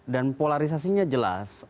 dan polarisasinya jelas